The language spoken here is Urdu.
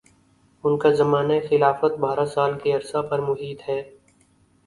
ان کا زمانہ خلافت بارہ سال کے عرصہ پر محیط ہے